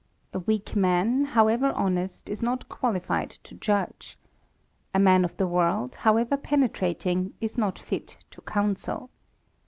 A weak man, however honest, is not qualified to judge. A man of the world, however penetrating, is not fit X) counsel.